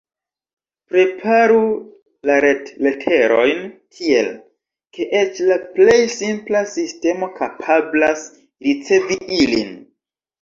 Preparu la retleterojn tiel, ke eĉ la plej simpla sistemo kapablas ricevi ilin.